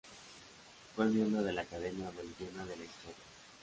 Fue miembro de la Academia boliviana de la historia.